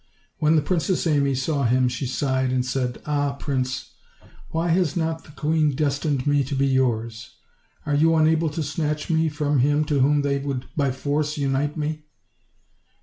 When the Princess Amy saw him she sighed and said: "Ah! prince, why has not the queen destined me to be yours? Are you unable to snatch me from him to whom they would by force unite me?"